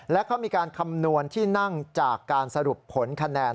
และเขามีการคำนวณที่นั่งจากการสรุปผลคะแนน